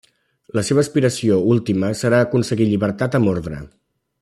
La seva aspiració última serà aconseguir llibertat amb ordre.